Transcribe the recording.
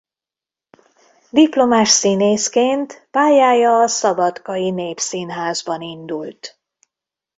Diplomás színészként pályája a Szabadkai Népszínházban indult.